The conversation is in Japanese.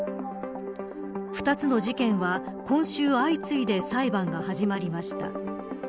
２つの事件は、今週相次いで裁判が始まりました。